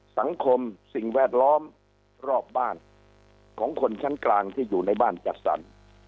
สังคมสิ่งแวดล้อมรอบบ้านของคนชั้นกลางที่อยู่ในบ้านจัดสรร